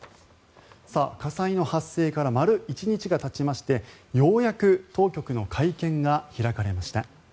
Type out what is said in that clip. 火災の発生から丸１日がたちましてようやく当局の会見が開かれました。